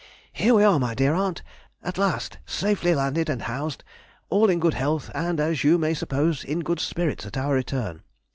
Here we are, my dear aunt, at last, safely landed and housed, all in good health and, as you may suppose, in good spirits at our return.